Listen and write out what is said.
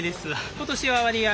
今年は割合